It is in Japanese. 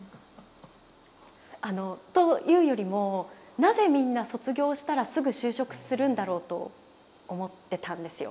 あのというよりもなぜみんな卒業したらすぐ就職するんだろうと思ってたんですよ。